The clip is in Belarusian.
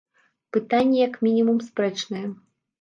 Пытанне, як мінімум, спрэчнае.